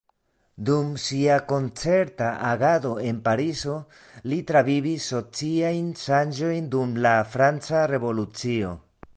Dum sia koncerta agado en Parizo li travivis sociajn ŝanĝojn dum la franca revolucio.